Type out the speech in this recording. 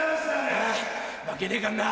負けねえかんな！